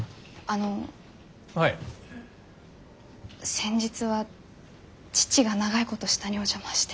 先日は父が長いこと下にお邪魔して。